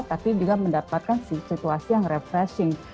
tapi juga mendapatkan situasi yang refreshing